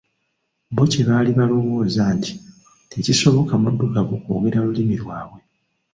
Bo kye baali balowooza nti tekisoboka mudugavu kwogera lulimi lwabwe.